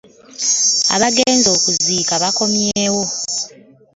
Abaagenze okuziika bakomyeewo.